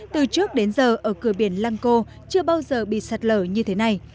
từ trước đến giờ ở cửa biển lang co chưa bao giờ bị sạt lở như thế này